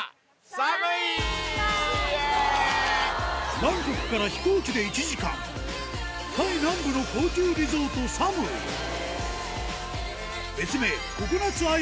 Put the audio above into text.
バンコクから飛行機で１時間、タイ南部の高級リゾート、サムイ。